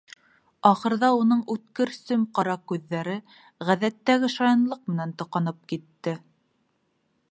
Ахырҙа уның үткер сөм ҡара күҙҙәре ғәҙәттәге шаянлыҡ менән тоҡанып китте.